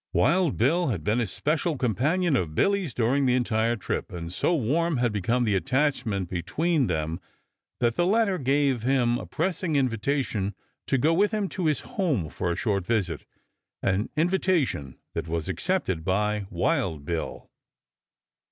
Wild Bill had been a special companion of Billy's during the entire trip, and so warm had become the attachment between them that the latter gave him a pressing invitation to go with him to his home for a short visit; an invitation that was accepted by Wild Bill.